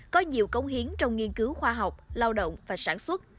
có nhiều công hiến trong nghiên cứu khoa học lao động và sản xuất